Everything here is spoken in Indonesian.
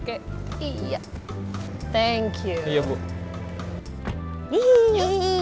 kameranya mana ya pak